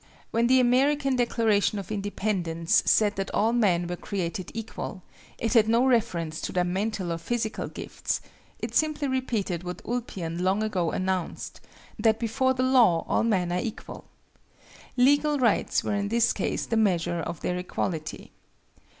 When, the American Declaration of Independence said that all men were created equal, it had no reference to their mental or physical gifts: it simply repeated what Ulpian long ago announced, that before the law all men are equal. Legal rights were in this case the measure of their equality.